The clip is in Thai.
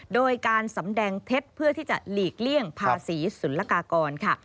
โดยการสำแดงเท็จเพื่อที่จะหลีกเลี่ยงภาษีสุรกากรค่ะ